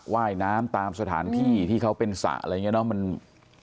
ว่ายน้ำตามสถานที่ที่เขาเป็นสระอะไรอย่างนี้เนาะ